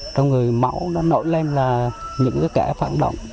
trong người máu nó nổi lên là những cái phản động